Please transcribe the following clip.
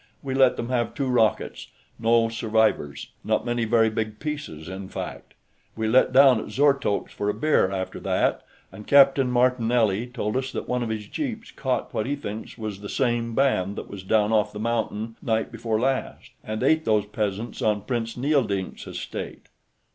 We let them have two rockets. No survivors. Not many very big pieces, in fact. We let down at Zortolk's for a beer, after that, and Captain Martinelli told us that one of his jeeps caught what he thinks was the same band that was down off the mountain night before last and ate those peasants on Prince Neeldink's estate."